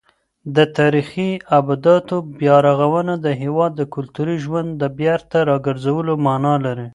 د تاریخي ابداتو بیارغونه د هېواد د کلتوري ژوند د بېرته راګرځولو مانا لري.